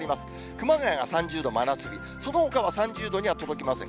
熊谷が３０度真夏日、そのほかは３０度には届きません。